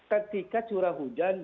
ketika curah hujan